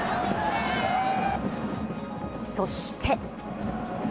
そして。